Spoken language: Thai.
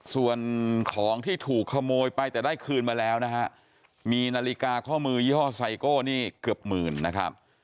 ส่วนของที่ถูกขโมยไปแต่ได้คืนมาแล้วนะฮะมีนาฬิกาข้อมือยี่ห้อไซโก้นี่เกือบหมื่นนะครับ